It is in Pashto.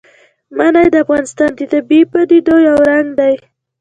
منی د افغانستان د طبیعي پدیدو یو رنګ دی.